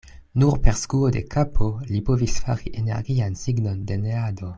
Nur per skuo de kapo li povis fari energian signon de neado.